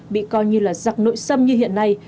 bị coi như là giặc nội sâm như hiện nay